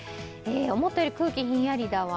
思ったより空気、ひんやりだわ。